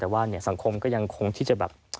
แต่ว่าสังคมก็ยังคงที่จะแบบ